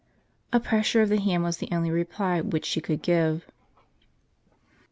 A pressure of the hand was the only reply which she could give.